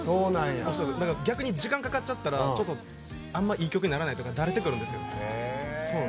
逆に時間かかっちゃったらあんまいい曲にならないとかだれてくるんですよ。